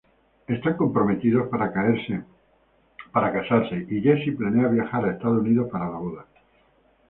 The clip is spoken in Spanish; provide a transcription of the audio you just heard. Están comprometidos para casarse y Jesse planea viajar a Estados Unidos para la boda.